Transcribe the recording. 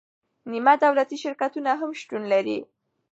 نیمه دولتي شرکتونه هم شتون لري.